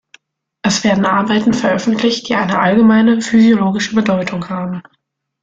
Es werden Arbeiten veröffentlicht, die eine allgemeine physiologische Bedeutung haben.